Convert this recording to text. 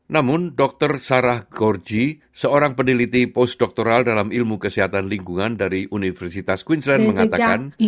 namun dr sarah gorji seorang peneliti post doktoral dalam ilmu kesehatan lingkungan dari universitas queensland mengatakan